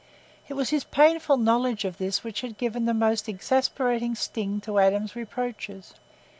It was his painful knowledge of this which had given the most exasperating sting to Adam's reproaches.